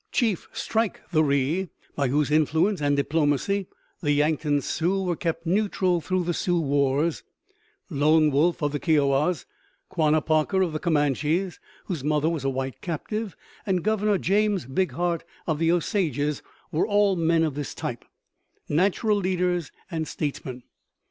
Chief Strike the Ree, by whose influence and diplomacy the Yankton Sioux were kept neutral throughout the Sioux wars; Lone Wolf of the Kiowas, Quanah Parker of the Comanches, whose mother was a white captive, and Governor James Big Heart of the Osages were all men of this type, natural leaders and statesmen.